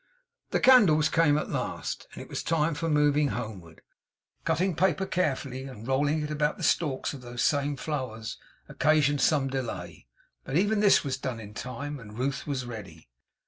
The candles came at last, and it was time for moving homeward. Cutting paper carefully, and rolling it about the stalks of those same flowers, occasioned some delay; but even this was done in time, and Ruth was ready.